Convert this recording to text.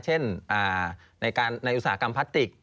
เช่นในอุตสาหกรรมพลาสติก